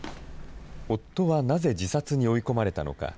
夫はなぜ自殺に追い込まれたのか。